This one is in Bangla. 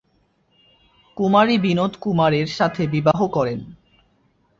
কুমারী বিনোদ কুমারের সাথে বিবাহ করেন।